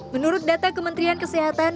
menurut data kementerian kesehatan